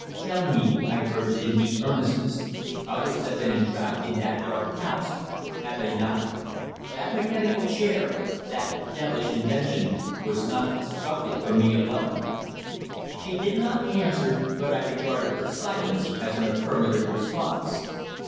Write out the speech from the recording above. "Tell me," I urged in deep earnestness, "others have been entrapped in that dark house have they not? That mechanical chair that devilish invention was not constructed for me alone." She did not answer, but I regarded her silence as an affirmative response.